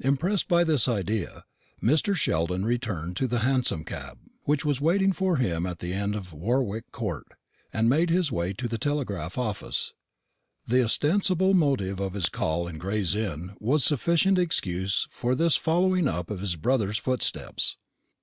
Impressed by this idea, Mr. Sheldon returned to the hansom cab, which was waiting for him at the end of Warwick court, and made his way to the telegraph office. The ostensible motive of his call in Gray's Inn was sufficient excuse for this following up of his brother's footsteps.